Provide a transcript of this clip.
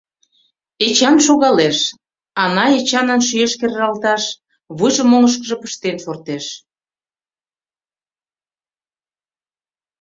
Эчан шогалеш, Ана Эчанын шӱеш кержалташ, вуйжым оҥышкыжо пыштен шортеш.